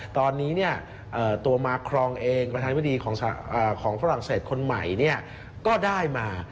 ตอนนี้ตัวมาครองเองประธานวิดีของฝรั่งเศสคนใหม่ก็ได้มา